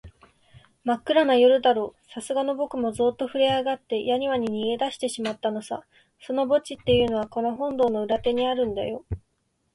まっくらな夜だろう、さすがのぼくもゾーッとふるえあがって、やにわに逃げだしてしまったのさ。その墓地っていうのは、この本堂の裏手にあるんだよ。